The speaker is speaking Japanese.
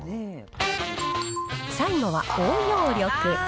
最後は応用力。